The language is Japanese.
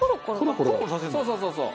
そうそうそうそう。